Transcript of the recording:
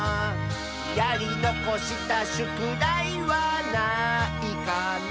「やりのこしたしゅくだいはないかな」